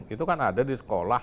itu kan ada di sekolah